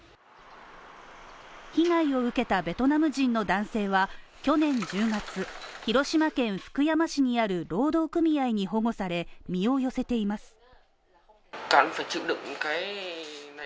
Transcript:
被害を受けたベトナム人の男性は去年１０月、広島県福山市にある労働組合に保護され、身を寄せています。